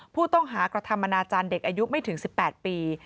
ผู้ต้องหากระทำอนาจารย์เด็กอายุไม่ถึง๑๘ปี